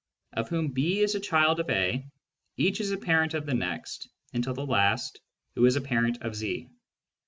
of whom B is a child of A, each is a parent of the next, until the last, who is a parent of Z.